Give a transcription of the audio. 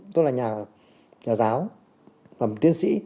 tôi là nhà giáo làm tiến sĩ